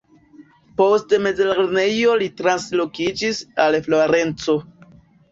Post mezlernejo li translokiĝis al Florenco.